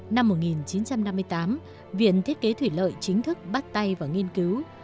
năm một nghìn chín trăm năm mươi tám viện thiết kế thủy lợi chính thức bắt tay vào nghiên cứu